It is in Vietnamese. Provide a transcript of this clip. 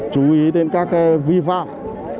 chú ý đến các vi phạm các hoạt động vi phạm phạm tội nếu có